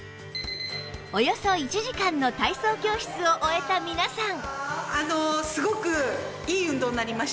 およそ１時間の体操教室を終えた皆さん